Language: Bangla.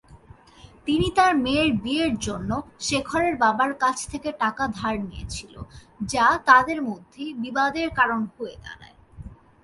তিনি তার মেয়ের বিয়ের জন্য শেখরের বাবার কাছ থেকে টাকা ধার নিয়েছিল, যা তাদের মধ্যে বিবাদের কারণ হয়ে দাড়ায়।